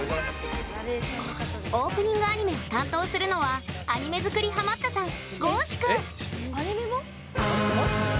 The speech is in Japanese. オープニングアニメを担当するのはアニメ作りハマったさん